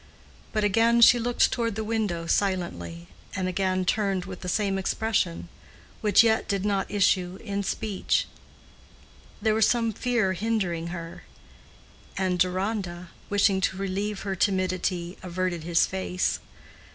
But again she looked toward the window silently, and again turned with the same expression, which yet did not issue in speech. There was some fear hindering her, and Deronda, wishing to relieve her timidity, averted his face.